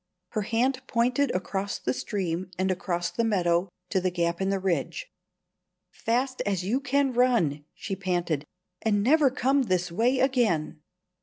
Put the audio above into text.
Her hand pointed across the stream, and across the meadow, to the gap in the ridge. "Fast as you can run," she panted; "and never come this way again."